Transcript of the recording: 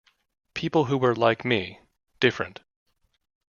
People who were like me, different ...